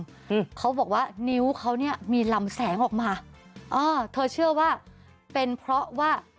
อืมเขาบอกว่านิ้วเขาเนี้ยมีลำแสงออกมาเออเธอเชื่อว่าเป็นเพราะว่า